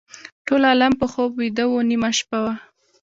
ټول عالم په خوب ویده و نیمه شپه وه.